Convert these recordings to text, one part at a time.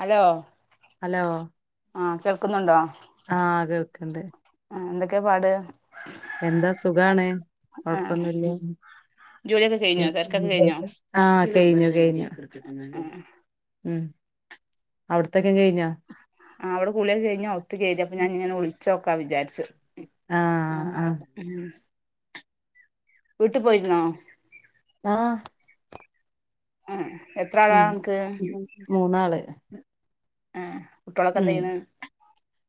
Hello hello ആ കേൾക്കുന്നുണ്ടോ ണ്ട് എന്തൊക്കെ പാട് എന്താ സുഖാണ്. ആ കൊയപ്പൊന്നുല്ല ജോലിയൊക്കെ കഴിഞ്ഞോ തിരക്കൊക്കെ കഴിഞ്ഞോ ആ കയ്ഞ്ഞു കയ്ഞ്ഞു ആ മ് അവിടെത്തെ ആ ഇവിടെ കുളിയൊക്കെ കയിഞ്ഞ് അകത്ത്ക്ക്‌ കേറി അപ്പ ഞാനിങ്ങനെ വിളിച്ചോ ക്കാ വിചാര്ച്ചു ആ അ വീട്ട് പോയ്‌രുന്നോ ആ ഏ മൂന്ന് മൂന്നാള് ഏ കുട്ടിയാളൊക്കെ എന്ത് ചെയ്യുന്നു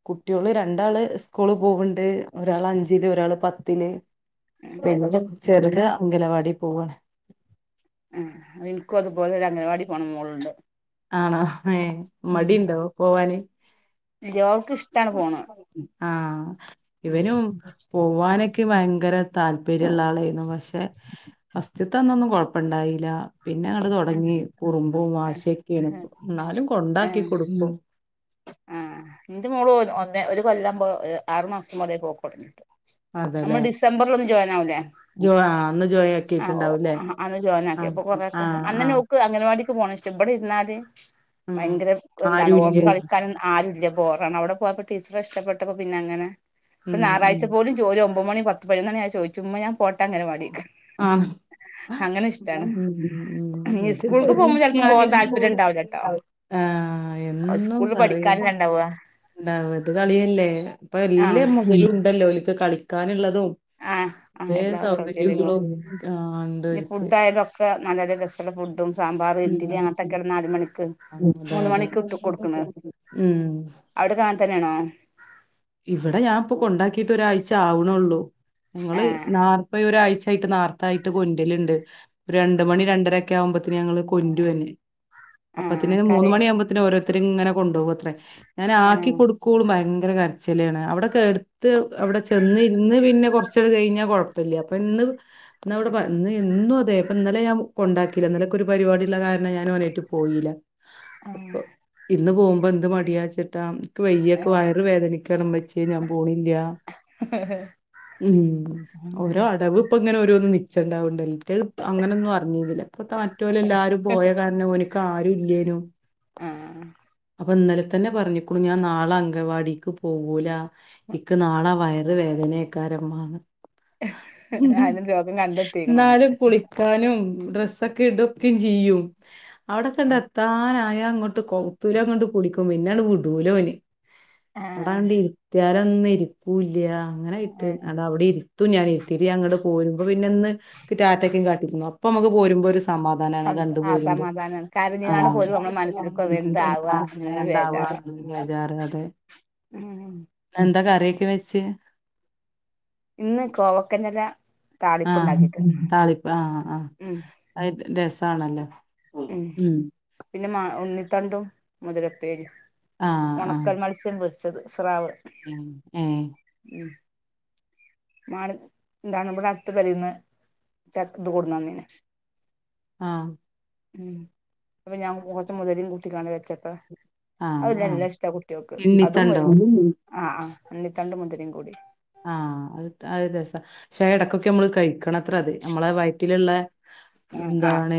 കുട്ട്യോൾ രണ്ടാള് സ്കൂള് പോവ്ണ്ട്. ഒരാള് അഞ്ച്ല് ഒരാള് പത്തില്. ഉം പിന്നെ ചെറുതാ അങ്കലവാടി പോവാണ് ആ ഇൻകത് പോലൊരു അംഗനവാടി പോവ്ണ മോളുണ്ട്. ആണോ ഏ ഉം മടിണ്ടോ പോവാത്തത് [unintelligible] ഓൾക്ക് ഇഷ്ട്ടമാണ് പോകുന്നത് ആ ഇവനും പോവാനൊക്കെ ഭയങ്കര താല്പര്യള്ള ആളെനുപക്ഷേ ഫസ്റ്റ്ത്തെ അന്നൊന്നും കുഴപ്പമില്ലായിരുന്നു പിന്നെ ങ്ങട്ട് ആ തൊടങ്ങി കുറുമ്പും വാശിയൊക്കെ ആണ് പ്പോ. ന്നാലും കൊണ്ടാക്കി കൊടുക്കും ആ ഇന്റെ മോളും ഒരു കൊല്ലം ആറുമാസം പോലെ ആയി പോവാൻ തുടങ്ങിയിട്ട് നമ്മള് അതെല്ലേ ഡിസംബർല് ഒന്ന് ജോയിൻ ആവുലെ ജോ ആഹ് അന്ന് ജോയി അ ആക്കിയിട്ടുണ്ടാവൂല്ലേ അ അന്ന് ജോയിൻ ആക്കി അപ്പൊ ഓൾക് ആഹ് കൊറെയൊക്കെ ആഹ് അന്നെന്നെ ആഹ് ഓൾക് അംഗൻവാടി പോണേ ഇഷ്ടംഇവിടെ ഇര്ന്നാല് മ് ആരൂല്ല്യെ ആരൂല്ല്യ പോവാൻ അവിടെ പോയപ്പോൾ ടീച്ചറെ ഇഷ്ട്ടപെട്ടപ്പോ അങ്ങനെ ഇപ്പോ ഉം ഉം ഞായറാഴ്ച്ച പോലും ജോലി ഒമ്പത് ഒമ്പത് മണി പത്തു പതിനൊന്നു മണി ആയ ചോദിച്ചും ഇമ്മ ഞാൻ പോട്ടെ അംഗൻവാടിക്ക് ആ ഇനി സ്കൂൾക്ക് പോകുമ്പോ ചെലപ്പം പോവാൻ [unintelligible] താല്പര്യം ഉണ്ടാവൂലട്ടോ ആ എന്നും പഠിക്കാൻ അല്ലെ ഇണ്ടാവാ ണ്ടാവാ ഇത് കളിയ്യല്ലേ ഇപ്പൊ എല്ല ആഹ് മൊതലും ഉണ്ടല്ലോഅവർക്കു കളിക്കാൻ ക്കാനുള്ളതും ആഹ് ആഹ് എല്ലാ ഏത് സൗകര്യങ്ങളും ആ ഉണ്ട് ലൊക്കെ നല്ല രസള്ള ഫുഡും സാബാർ ഇഡ്ഡലി അങ്ങനെതൊക്കെ ആണ് നാല് മണിക്ക് അതെ മൂന്നു അതെ മണിക്ക് കൊടുക്കുന്നത് ഉം അവിടേക്കോ അങ്ങനെതന്നെ ആണോ ഇവിടെ ഞാൻ ഇപ്പോ കൊണ്ടാക്കിട്ട് ഒരായ്ച്ച ആകുനൊള്ളു നിങ്ങൾ ആഹ് നാല്പ ഇപ്പൊ ഒരാഴ്ച ഫാസ്റ്ററ്റായിട്ട് നേരത്തെ കൊണ്ടുവരാറുണ്ട് രണ്ടു മണി രണ്ടര യൊക്കെ ആകുമ്പോയേക്ക് തിന് ഞങ്ങൾ കൊണ്ട് വരും ആഹ് അപ്പൊതിന് മൂന്നു കറി മണിആകുമ്പോത്തിന് ഓർ തൃങ്ങനെ കൊണ്ടോവത്രെ ഞാൻ ആക്കി ആഹ് കൊടുക്കോള് ഓൾ ഭയങ്കര ങ്കര കരച്ചിൽ ചിലണ് അവിടെക്കടുത് അവിടെ ചെന്ന് ഇരുന്നു പിന്നെ കൊറച്ചുആണ്ട് കഴിഞ്ഞ കൊയപ്പല്യ ഇന്ന് അവിടെ ഇന്ന് എന്നും ത്തെ ഇന്നലെ ഞാൻ കൊണ്ടകീല ഇന്നലെ ഇന്ക് ഒരു പരിപാടി ഉള്ള കാരണം ഞാൻ ഓനയ്ട്ട് പോയീല ആഹ് ഇന്ന് പോകും ഇപ്പൊ എന്ത് മടിയാചിട്ട ക്ക് വയ്യ ഇന്ക് വയർ വേദനിക്ക ക്കാണ് ഇമ്മച്ചേ ഞാൻ പോണില്ല ങ്ങനെ ഓരോന്ന് നിച്ചണ്ടാവുണ്ടല്ലോ മറ്റേത് അങ്ങനെ ഒന്നും അറിഞ്ഞീനില്ല ഇപ്പൊ മറ്റൊൽ എല്ലാരും പോയ കാരണം ഓന്ക് ക്കാരുല്യയ്നും ആ ഓൻ ഇന്നലെതന്നെ പറഞ്ഞക്ക്ണ് ഞാൻ നാളെ അംഗൻവാടിക്ക് പോ വൂല ഇനിക് നാളെ വയറു യറ് വേദന അയ്ക്കാരം ഇമ്മ [unintelligible] അതിന് രോഗം കണ്ടെത്തിക്കണു ഓന് ഇന്നാലും കുളിക്കാനും ഡ്രസ്സ്‌ ദിക്കിൽ ദിക്കും ചെയ്യും അവിടെത്തന്നെയാ കയത്തിലോങ്ങാട്ട് പിടിക്കും പിന്നെ വിടൂല ഓന് ആഹ് എവിടെണ്ടിരിക്ത്തിയാലേ ന്ന് ഇരിക്കുല്ല അങ്ങാനായിട്ട് ആഹ് അവിടെങ്ങിട്ട് തും ഇരുത്തിയിട്ട് ഞാനങ്ങോട്ട് പോരുമ്പോ ഇന്ന് ടാറ്റാ കാട്ടിനു പ്പോ മ്മക്ക് പോരുമ്പോ സുഖം അമ്മമ്മനെ സം കണ്ടു പോരുമ്പോ അസമാധാനാണ് ആ കരഞ്ഞിങ്ങാണ്ട് പോലും നമ്മളെ മനസ്സിൽക്ക് എന്താവാ ആ ഇങ്ങനെ എന്താവാ ബേജാറാ വെജാറ് നല് ഉം എന്താ കറിയൊക്കെ വെച്ചേ ഇന്ന് കോവക്കന്റെല ആ താളിപ്പ്ണ്ടാക്കിക്ക്ണ് കറി ആ അ ഉം ആയി രസം ആണല്ലോ ഉം പിന്നെ മാ ഉണ്ണി.... തണ്ടും മുതിര ഉപ്പേരിമം ഉണക്കമല്ശ്യം പൊറു... ചെറു സ്രാവ് ങേ ആ ഇവിടെ അടുത്ത പരീനു ച്ച ക്ക ത് കൊടുന്നുന്നേനു ആ [inaudible] ഞാൻ കുറച്ചു മുതിരിം കുടി.... ട്ടുകാണ്ട് വെച്ചപ്പോ ആഹ് അത് ആഹ് നല്ലഷ്ട കുട്ടിയോൾക്ക് അതും കിണ്ണിത്തണ്ടോ മുരിങ്ങ.... ഇന്നിതണ്ടും മുതിരിം കൂടി ആ അത് രസാ ക്ഷെ ഇടക്ക് ഒക്കേ നമ്മ്ള് കഴിക്കണത് ത്ര നമ്മളെ വയറ്റിലില്ല ആഹ് ന്താണ്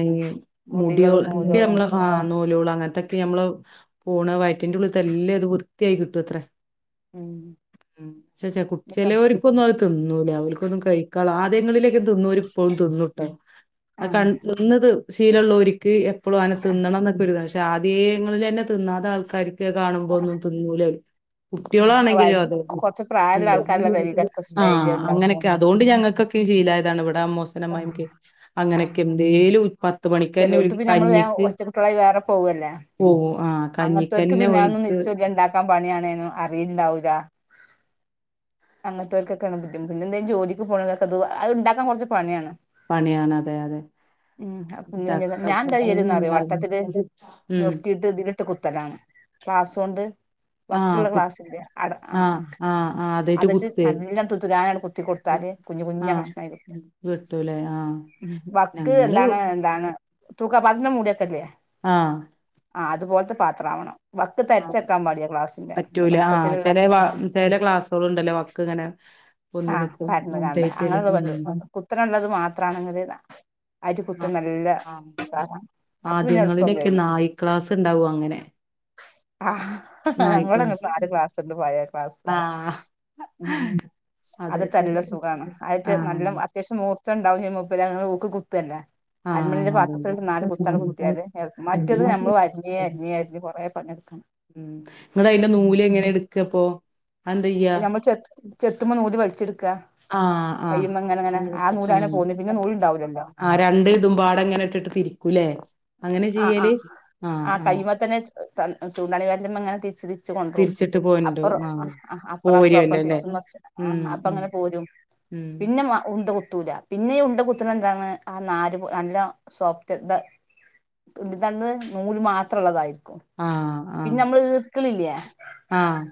മുടി മുടികളും നൂലോളും നൂല്‌ലൊള് അങ്ങനതൊക്കെ ക്ക് പൊന്നു വയറ്റിട്ടുള്ളതേ ല്ലതും വിര്ത്തിയായി കിട്ടുത്ര ഉം ശേ ശേ കുട്ടി... ട്ടോ ചേലോർക്കൊന്നും അത് തുന്നുല്ല ഓൾക്കൊന്നു കഴിക്കള്ളാ ആദ്യങ്ങളിലു ദ്യം തിന്നോല് ഇപ്പോഴും തിന്നൂട്ടോ അത് ആഹ് തിന്നത് വീരള്ളോര്ക്ക് എ പ്പളു അനെ ആഹ് തിന്നണന്നൊക്കെ ഒരു [unintelligible] ആദ്യേ ഇങ്ങൾ തന്നെ തിന്നാതാൾ ക്കാര് ക്കെ കാണുമ്പൊന്ന് ആഹ് തിന്നൂല അവര് ഉം കുട്ടിളാണെങ്കില് വയസ് അത് കൊറച്ച് പ്രായള്ള മ് ആൾക്കാരുള്ള പെരേലൊക്കെ ആ ഡൈലി ഉണ്ടാക്കും അങ്ങനെക്കെ അതോണ്ട് ഞങ്ങക്കൊക്കെ [unintelligible] ണ്ടായതാണ് ഇവൾ ന്റെ അമ്മോശനും ആഹ് അമ്മായിമ്മക്ക് അങ്ങനെക്കെ എന്തേലും ഉൽപാ ചെലോട്‌ത് പിന്നെ നമ്മള് വേം ഒറ്റ കുട്ടിളായി വേറെ പോവല്ലേ പോവും ആഹ് അങ്ങതോൽക്ക്‌ കഞ്ഞിക്കന്നെ പിന്നെ അവൊന്നും ഓൽക്ക് നിച്ചല്ല ഇണ്ടാക്കാൻ പണിയാണ്ന്ന് അറിയൽ ഇണ്ടാവൂല അങ്ങതോൽക്കക്കെ ആണ് ബുദ്ധിമു പിന്നെ എന്തേം ജോലിക്ക് പോണോല് ഇത് അഹ്‌ ഇണ്ടാക്കാൻ കൊറച്ച് പണിയാണ് പണിയാണ് അതെ അതെ ഉം കുഞ്ഞു കുഞ്ഞത് ഞാൻ എന്താ ചക്കക്കുരു ചെയ്യല്ന്നറിയോ വട്ടത്തില് [inaudible] മ് നുറുക്കിയിട്ട് ഇതിലിട്ട് കുത്തലാണ് ക്ലാസ്സോണ്ട് ആഹ് വക്ക്ള്ള കു ക്ലാസ്സിന്റെ അട അ ആഹ് ആ ആഹ് ആഹ് അതായിട്ട് അതിട്ട് കുത്തേ [unintelligible] കുത്തി കൊടുത്താല് കുഞ്ഞ് കുഞ്ഞ് ആഹ് കഷ്ണായി കിട്ടും വെട്ടൂലേ ആഹ് മ് വക്ക് വക്ക് ഞങ്ങള് എന്താണ് എന്താണ് തൂക്ക പാത്രത്തിന്റെ മൂടിയൊക്കെല്ലേ ആ ആ അത് പോൽത്ത് പത്രാവണം ആ പറ്റൂല വട്ടത്തിലുള്ള ചെലെ വ ആ ചെല ക്ലാസ്സ്‌ ളുണ്ടല്ലോ വക്ക് ഇങ്ങനെ പൊന്തി ആ നിക്കും പരന്ന്ക്കാണ്ട് അതേറ്റല്ലേ അങ്ങനെള്ളത് പറ്റും ഉം കുത്തനെള്ളത് മാത്രാണെങ്കില് അരി കുത്ത് നല്ല ഇതാണ് ആദ്യങ്ങളിലെക്കെ നായി ക്ലാസ്സ്‌ ഇണ്ടാവു അങ്ങനെ ആ നാഴി ഞങ്ങളങ്ങനെ ക്ലാസ്സ്‌ ആര് ക്ലാസ്ണ്ട് പോയാ ക്ലാസ് ആ ഹ അത് ത്ത് നല്ല സുഖാണ് അയേറ്റ് നല്ലം അത്യാവശ്യ മൂ മൂർച്ചണ്ടാവും ചെയ്യും [unintelligible] ഊക്ക് കുത്ത്ല്ലെ ആ അതെന്നെ കുത്തിയാല് [inaudible] മറ്റേത് മ് നമ്മള് അരിഞ്ഞ് അരിഞ്ഞ് അരിഞ്ഞ് കൊറേ പണിയെടുക്കണം ഇങ്ങട്ട് അയിന്റെ നൂല് എങ്ങനെ എട്‌ക്ക്‌പ്പൊ അയ് നമ്മള് ചെത് ചെത്ത്മ്പ നൂല് വലിച്ചെട് ആ അ ആ നൂല് അങ്ങനെ പോന്ന് പിന്നെ നൂലുണ്ടാവൂലല്ലോ [inaudible] രണ്ട് ഇതുമ്പാടെ ഇങ്ങനെ ഇട്ട്ട്ട് തിരുക്കുല്ലെ അങ്ങനെ ചെയ്യല് അ ആ തണ് തൂണ്ടാണി വെര്ല്മങ്ങനെ തിരിച്ച് തിര് ച്ച് കൊണ്ടെരും തിരിച്ചിട്ട് പോരുണ്ടോ അപ്പർ അ ആഹ് അ ആ പോരുവല്ലോ [unintelligible] അല്ലേ തിര്ച്ചും മർച്ചും അ ഉം ഉം അപ്പങ്ങനെ പോരും ഉം പിന്നെ മാ ണ്ട കുത്തൂല പിന്നെ ഈ ഉണ്ട കുത്ത് നെന്താണ് ആ നാര് പൊ നല്ല സോഫ്റ്റ്‌ ത് ഇണ്ണിത്തണ്ട് നൂൽ മാത്രാള്ളതായി ആ അ ക്ക്‌ളില്ലെ ആ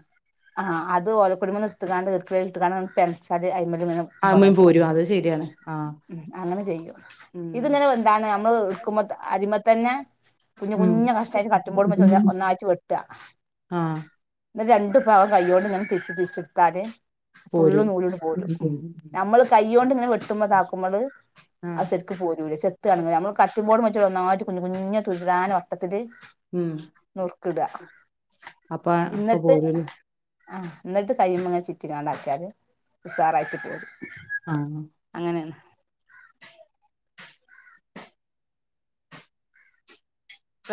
ആ അതെ ഇത് ഓലക്കൊടിമന്ന്‌ എടുത്ത്ങ്ങാണ്ട് ഈർകിളില്ണ്ടാകാണ്ട് [unintelligible] ഇതങ്ങനെ കൊറേ ആമീൻ പോരും അത് ശരിയാണ് ആഹ് അങ്ങനെ ചെയ്യും ഉം ഇത് ഇങ്ങനെ എന്താണ് ഞമ്മൾ [unintelligible] തന്നെ കുഞ്ഞി ഉം കുഞ്ഞ് കഷ്ണായിട്ട് കട്ടിംഗ്ബോർഡ്മ്മേ വെച്ച് ഒന്നായിട്ട് വെട്ട ആഹ് ങ്ങ്ട്ട് രണ്ടു ഭാഗം കയ്യോണ്ട് ഇങ്ങനെ തി തിരിച്ചെടുത്താല് ഫുള്ള് പോരും നൂലും പോരും നമ്മൾ കയ്യൊ കയ്യോണ്ട് ഇങ്ങനെ വെട്ടുമ്പോ താക്കുമ്പള് ആഹ് അത് ശരിക്കു പോരൂല ചെത്താണെങ്കില് നമ്മൾ കട്ടിംഗ് ബോർഡ് വെച്ച് ഒന്നായിട്ട് കുഞ്ഞു കുഞ്ഞു തുരു തുരാന്ന് വട്ടത്തില് ഉം [unintelligible] അപ്പൊ അപ്പൊ പോരൂല്ലേ ആ എന്നിട്ട് കയ്യിമ്മങ്ങനെ ചിറ്റിങ്ങാണ്ട് ആക്കിയാല് ഉസാറായിട്ട് പോരും ആഹ് അങ്ങനെ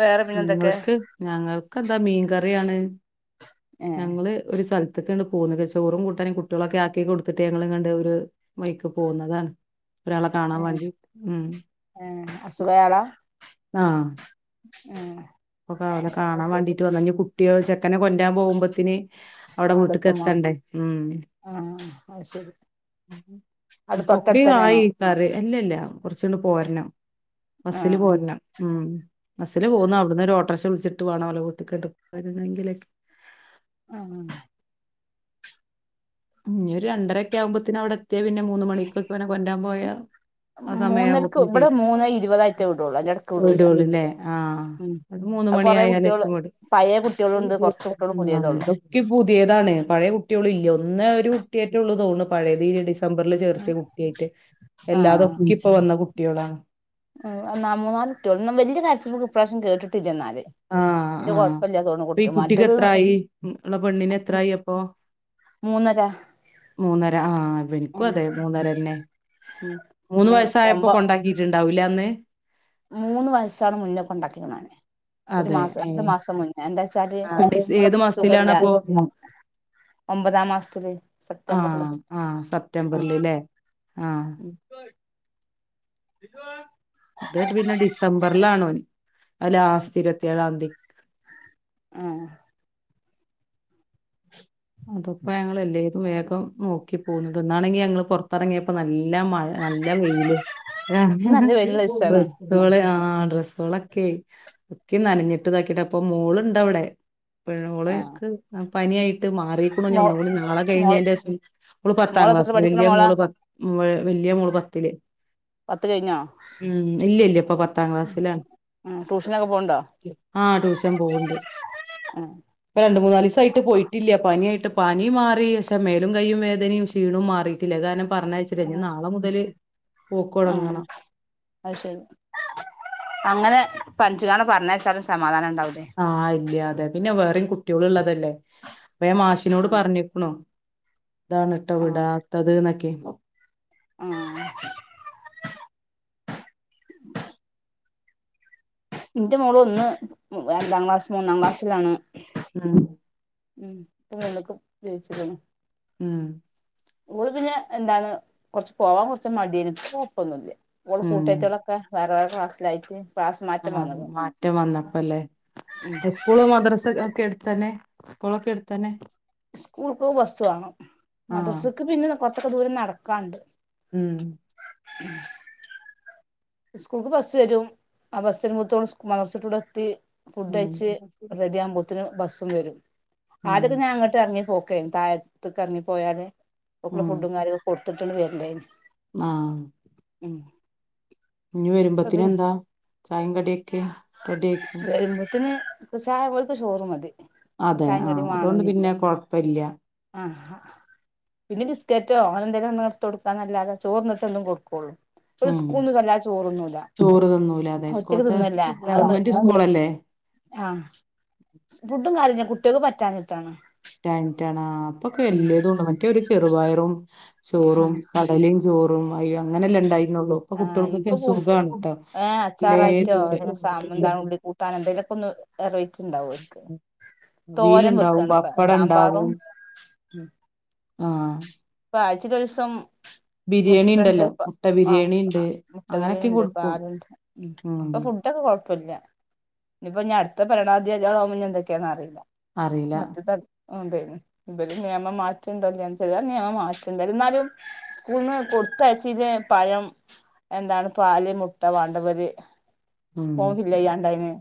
വേറെ പിന്നെ എന്തൊക്കെ നിങ്ങൾക്ക് ഞങ്ങൾ എന്താ മീൻ കറിയാണ് ഏഹ് ഞങ്ങള് ഒരു സൽ [unintelligible] പോന്നത് ചോറും കുട്ടാനും കുട്ട്യോളും ആക്കി കൊടുത്തുട്ട് ഞങ്ങളങ്ങാണ്ട് ഒരു വഴിക്ക് പോന്നതാണ് ഒരാളെ കാണാൻ ഏ വേണ്ടി ഉം ഏ അസുഖ ആളാ ആ ആ അപ്പൊ ഓലെ കാണാൻ വേണ്ടിട്ട് വന്നേ ഞ്ഞി കുട്ടേൾ ചെ [unintelligible] കൊണ്ടരാൻ പോകുമ്പത്തിന് അവിടെ വീട്ടുക്കു അടുത്തുമ്മ എത്തണ്ടേ ഉം ആഹ് അത് ശരി അവിടെ ഇപ്പൊക്കെ തൊട്ടടുത്ത് ആയി തന്നെയാണോ കറി അല്ലല്ല കുറച്ച് ട്ട് പോരണം ബസ്സിൽ ആഹ് പോരണം ഉം ബസ്സിൽ അത് പോന്നു ശരി അവ് ഒരു ഓട്ടോറിക്ഷവിളിച്ചിട്ട് വേണം ഓലെ വീട്ടിക്ക് ട്ട് വരണങ്കില് ആ ഞ്ഞി ഒരു രണ്ടരക്കെ ആവുമ്പത്തിന് അവിടെ എത്തിയ പിന്നെ മൂന്ന് മണിക്കക്കോ അവനെ കൊണ്ടരാൻപോയ ആ സമയം മൂന്നരക്ക് ആകുമ്പത്തിന് ഇവിടെ ശരി മൂന്നേ ഇരുപതായിട്ടേ വിടുള്ളൂ അതിന്റെ ഇടക്ക് വിടൂല വീടൊ ള്ളൂല്ലേ ആ ഉം മൂന്നു അത് കൊറേ മണിയായാൽ കുട്ടികള് എത്തുംങ്ങട്ട് പഴയ കുട്ടികളുണ്ട് കുറച്ച് കുട്ടികള് പുതിയതേ ഉള്ളൂ [unintelligible] ഒക്കെ പുതിയതാണ് പഴയ കുട്ടി [unintelligible] ഇന്ന് ഒരു കുട്ടിയെട്ടൊള്ളു പഴയത് ഈ ഡി- സംബറില് ചേർത്ത്യേ കുട്ട്യായിട്ട് അല്ലാതെ ആഹ് ഒക്കെ ഇപ്പോ വന്ന കുട്ടികളാ മൂന്നാല് കുട്ടോള് വല്ല്യ കരച്ചിലൊന്നും ഇപ്രാവിശ്യം കേട്ടിട്ടില്ല ഇന്നാല് അ ആ ഇപ്പ ഈ കുട്ടിക്ക് മറ്റത് എത്രായി ആ പെണ്ണിനെത്രായി അപ്പോ മൂന്നര മൂന്നര അ ആ എനിക്കും ഉം അതേ മൂന്നര തന്നെ ഉം മൂന്ന് വായസായപ്പേ കൊണ്ടാക്കീട്ടുണ്ടാക്കും അല്ലേ അന്ന് മൂന്ന് വയസ് ആവണ മുന്നേ കൊണ്ടാക്കിക്കണ് ഒരു അതെ മാസം രണ്ട് ഏഹ് മാസം മുന്നേ അതേന്നു ആഹ് ഡിസ് ഇവിടെ ഏത് നിക്കാൻ സുഖ ല്ല്യ മാസത്തിലാണപ്പോ ഒമ്പതാം മാസത്തില് അ സെപ്റ്റംബറില് ആ ആ സെപ്തംബറില്‌ലേ അ ഉം [inaudible] ഇത് ഒരു വിധം ഡിസംബറിലാണ് ആ ലാസ്റ്റ് ഇരുപത്തി ഏഴാന്തി ആഹ് ഇത്പ്പോ ഞങ്ങളെല്ലേരും വേഗം നോക്കി പോന്നു ഇന്നാണ് ഞങ്ങള് പുറത്തിറങ്ങിയപ്പോ നല്ല നല്ല മഴ നല്ല വെയിലും ഇന്ന് നല്ല വെയിലുള്ള ഉ ദിവസാണ് ഡ്രെസ്സോള് ഡ്രെ- ഡ്രെസ്സോളൊക്കെ ഒക്കെ നനഞ്ഞിട്ടും ഇതാകീട്ടും അപ്പ മോള് ഉണ്ടവിടെ ആഹ് [inaudible] പനി ആയി ട്ട് മാറിക്കണ് ഇന്നിട്ട് മോ ഒന്നും കൂടി നാളെ മോള് കഴിഞ്ഞതിന് ശേഷം ഓള് മോള് എത്രയിലാ പത്താംക്ലാസില് പഠിക്കണ വെല്ല്യേ മോളാ മോള് പത്ത് പത്തില് പത്ത് കഴിഞ്ഞോ ഉം ഇല്ല്യ ഇല്ല്യ ഇപ്പോപത്താം ക്ലാസിലാ ട്യൂഷനൊക്കെ പോണുണ്ടോ ആ ട്യൂഷൻ പോവ്ണ്ട് ആഹ് രണ്ട് മൂന്നാല് ദിവസായിട്ട് പോയിട്ടി- ഇല്ലാ പനി ആയിട്ട് പനി മാറി പക്ഷെ മേലും കൈയും വേദനയും ക്ഷീണവും മാറി ഇല്ല അത് കാരണം പറഞ്ഞയച്ചില്ല ഇനി ആഹ് നാളെ മുതല് പോക്ക് ആഹ് തുടങ്ങണം അത് പറ്റാണേൽ പറഞ്ഞയച്ചാൽ സമാധാനം ഉണ്ട് ആ ഇല്ല്യ അല്ല പിന്നെ വേറേ കുട്ട്യേളുള്ളതല്ലേ അപ്പ ഞാൻ മാഷിനോട് ആഹ് പറഞ്ഞിരിക്കണു ഇതാണ് ട്ടോ വിടാത്തത് ന്നൊക്കെ ഒ ആ ൻ്റെ മോളൊന്ന് അഞ്ചാം ക്ലാസ് മൂന്നാം ക്ലാസിലാണ് ഉം പ്പം മൂന്ന്ക് ജയിച്ചികണ് ഉം ഓള് പിന്നെ എന്താണ് കുറച്ചു പോകാൻ കുറച്ച് മടിയാണ് ഇപ്പോ കുഴപ്പമൊന്നുമില്ല ഓൾ ഉം കൂട്ടാരത്തികളൊക്കെ വേറെ വേറെ ക്ലാസിൽ ആയിട്ട് ക്ലാസ്സ് മ ആ മാറ്റം വന്നപ്പം ല്ലെ ഉം സ്കൂൾ മദ്രസ കേട് തന്നെ സ്കൂളൊക്കെ ടുത്ത് തന്നെ സ്കൂൾക് കൊർച് പോണം ആഹ് മദ്രസക് പിന്നെ കോർച്ചൊക്കെ ദൂരം നട് കാണ്ട് മ് മ് സ്കൂൾ ക് ബസ്സ് വരും ആ ബസ്സ് മൂത്ത മദ്രസ വിട്ട് ഇവിടെ എത്തി ഫുഡ്‌ ഉം കഴിച്ചി റെഡി ആവുമ്പോത്തേക് ബസ് വരും ഉം ആദ്യകെ ഞാൻ അങ്ങട്ട് ഇറങ്ങി പോ [unintelligible] തായത്ക് ഇറങ്ങി പോയാൽ ഓക് ള്ള ഫുഡ് കാര്യങ്ങൾ കൊട് തിട്ട് [unintelligible] മ ഇഞ്ഞി ഇപ്പ പിൻ വരുമ്പോത്തിനും ന്താ ചായി കടികെ റെഡി ആക്കി ഇപ്പം ചായ പോലത്ത ചോറ് മതി ചായിം കടിം വാണന്നില്ല [inaudible] [unintelligible] [inaudible] [unintelligible] ഉം [inaudible] ഒറ്റക്ക് തിന്നല്ലേ അത്ണ്ട് [unintelligible] [unintelligible] ഉം [unintelligible] [unintelligible] ആഹ് [inaudible] ഉം ആഹ് ഇപ്പൊ കൂ [unintelligible] ഏഹ് അച്ചാറായിട്ടോ [unintelligible] അല്ലെങ്കി സാ എന്താണ് ഉള്ളി കൂട്ടാൻ എന്തെങ്കിലൊക്കെ [unintelligible] [unintelligible] അവിയലുണ്ടാവും പപ്പടം [inaudible] ഉണ്ടാവും [unintelligible] ആഹ് [unintelligible] [unintelligible] ഇപ്പ എന്ത് മുട്ട ആ ബിരിയാണി ഉണ്ട് മുട്ട ബിരിയാണി അങ്ങനൊക്കെ ണ്ട് കൊടുക്കും പാല് ണ്ട് ഉം ഇപ്പൊ ഫുഡൊക്കെ കൊഴപ്പല്ല ഇഞ്ഞി ഇപ്പോ ഞാൻ അടുത്ത ഭരണാധികാരികളാകുമ്പോ ഇഞ്ഞി എന്തൊക്കെന്ന് അറിയില്ല അറിയില്ല മറ്റത് അതെ മാറ്റണ്ട ഞാൻ മാറ്റണ്ട ന്നാലും സ്കൂളിന് പഴം പാല് മുട്ട വേണ്ടവരു ഉം ഫോം ഫിൽ ചെയ്യാനുണ്ടായിരുന്നു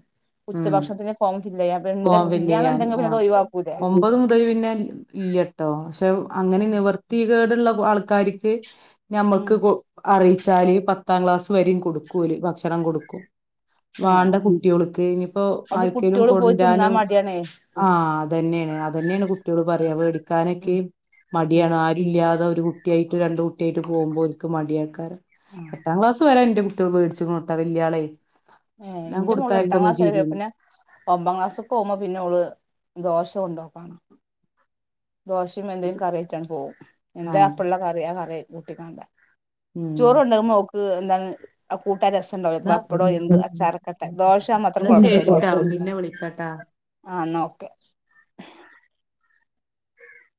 ഉച്ചഭക്ഷണത്തിന് ഫോം ഫില്ല് ചെയ്യാ ഇണ്ട് ഫോം ഫിൽ ചെയ്യാൻ ഇല്ലാന്നുണ്ടെങ്കി പിന്നെ അത് ഒഴിവാക്കൂലേ ഒമ്പതു മുതൽ പിന്നെ ഇല്യ ട്ടോ അങ്ങനെ നിവർത്തി കേട് ഉള്ള കാരിക്കു നമുക്ക് അറിയിക്കാം ചാലു പത്താം ക്ലാസ്സ്‌ വരെ കൊടുക്കും ഓല് ഭക്ഷണം കൊടുക്കും വേണ്ട ആഹ് കുട്ടിയോൾക് ഇനിയിപ്പോ അതില് ആർക്കേലും കുട്ടിയോള് പോയി തിന്നാൻ മടിയാണേ ആ അതെന്നയാണ് അതെന്നയാണ് കൂട്ടികൾ ഉം പറയുകമേടിക്കാനൊക്കെ ഉം മടിയാണ് ആരുമില്ലാതെ ഒരു കുട്ടിയായിട്ടും രണ്ടു കുട്ടിയായിട്ടും പോകുമ്പോ ഓര്ക്ക് മടിയാ എട്ടാം ക്ലാസ്സ്‌ വരെ എന്റെ കുട്ടി വേടിച്ചു വല്യ ആളെ എന്റെ മോള് എട്ടാം ക്ലാസ്സ്‌ ആയപ്പോ പിന്നെ ഒൻപതാം ക്ലാസ്സി പോയപ്പോ പിന്നെ അവള് ദോശ കൊണ്ടുപോയി ദോശയും എന്തേലും കറി ആയിട്ട് പോകും എന്താ ആഹ് അപ്പൊ ഉള്ള കറി [unintelligible] ഉം ചോറ് കൊണ്ട്പോകുമ്പോ എന്താണ് രസം ഉണ്ടാകും ന്നാ പപ്പടം എന്ത് ദോശ ആകുമ്പോ അത്ര ന്നാ കുഴപ്പമില്ല ശരിട്ടോ പിന്നെ വിളിക്കാട്ടാ ആ എന്നാ ഓക്കേ